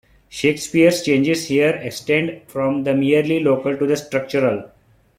Shakespeare's changes here extend from the merely local to the structural.